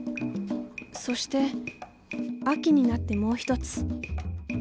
そして秋になってもう一つ。